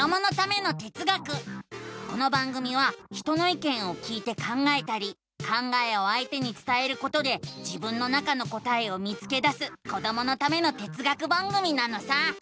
この番組は人のいけんを聞いて考えたり考えをあいてにつたえることで自分の中の答えを見つけだすこどものための哲学番組なのさ！